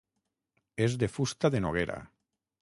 És de fusta de noguera.